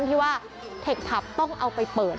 ที่ว่าเทคผับต้องเอาไปเปิด